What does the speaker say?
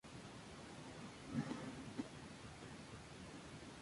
Se vuelve a interrumpir y enlaza con la muerte de Sigurd.